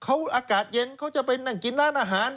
เขาอากาศเย็นเขาจะไปนั่งกินร้านอาหาร